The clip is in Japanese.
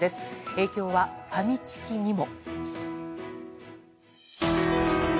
影響はファミチキにも。